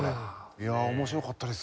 いやあ面白かったです。